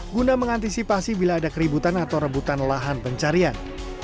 guna mengantisipasi bila ada keributan atau rebutan lahan pencarian